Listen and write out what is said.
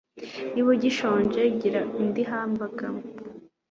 Niba ugishonje, gira indi hamburger.